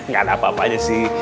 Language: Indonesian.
gak ada apa apanya sih